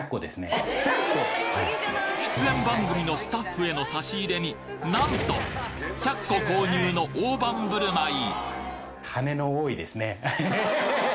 出演番組のスタッフへの差し入れになんと１００個購入の大盤振る舞い！